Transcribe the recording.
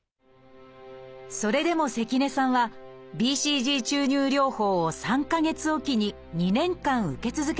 それでも関根さんはＢＣＧ注入療法を３か月おきに２年間受け続けました。